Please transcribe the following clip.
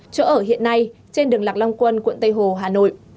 chỗ ở hiện nay trên đường lạc long quân quận tây hồ hà nội